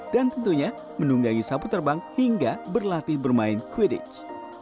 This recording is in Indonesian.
dan tentunya menunggangi sapu terbang hingga berlatih bermain quidditch